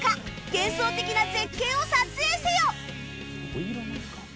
幻想的な絶景を撮影せよ！